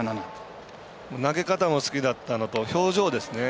投げ方も好きだったのと表情ですね。